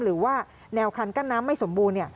หรือว่าแนวคันกั้นน้ำไม่สมบูรณ์